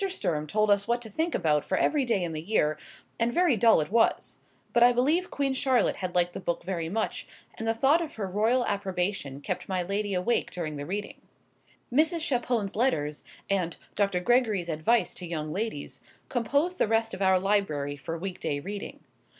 Sturm told us what to think about for every day in the year; and very dull it was; but I believe Queen Charlotte had liked the book very much, and the thought of her royal approbation kept my lady awake during the reading. "Mrs. Chapone's Letters" and "Dr. Gregory's Advice to Young Ladies" composed the rest of our library for week day reading.